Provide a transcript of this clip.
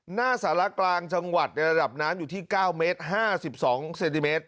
หน้าสารกลางจังหวัดในระดับน้ำอยู่ที่๙เมตร๕๒เซนติเมตร